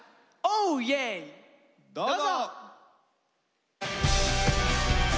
どうぞ！